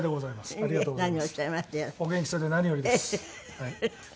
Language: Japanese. ありがとうございます。